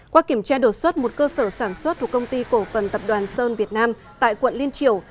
qua kiểm tra đột xuất một cơ sở sản xuất thuộc công ty cổ phần tập đoàn sơn việt nam tại quận liên triều